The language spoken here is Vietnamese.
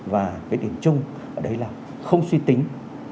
và cái điểm chung ở đấy là không suy tính